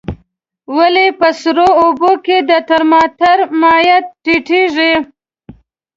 ولې په سړو اوبو کې د ترمامتر مایع ټیټیږي؟